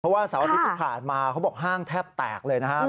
เพราะว่าเสาร์อาทิตย์ที่ผ่านมาเขาบอกห้างแทบแตกเลยนะครับ